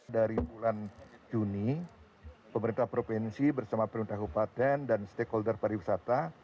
dari bulan juni pemerintah provinsi bersama pemerintah kabupaten dan stakeholder pariwisata